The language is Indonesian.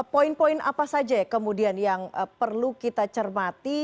poin poin apa saja kemudian yang perlu kita cermati